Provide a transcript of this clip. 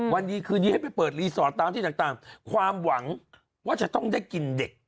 วันดีคืนนี้ให้ไปเปิดรีสอร์ทตามที่ต่างความหวังว่าจะต้องได้กินเด็ก